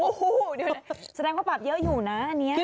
โอ้โฮแสดงว่าปรับเยอะอยู่นะอันเนี้ย